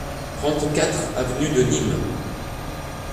trente-quatre avenue de Nîmes